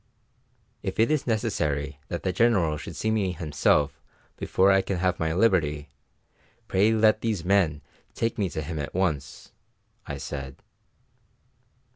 "If it is necessary that the General should see me himself before I can have my liberty, pray let these men take me to him at once," I said.